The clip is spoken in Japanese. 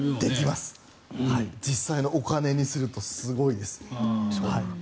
実際のお金にするとすごいです。